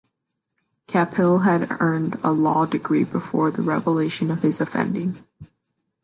Capill had earned a law degree before the revelation of his offending.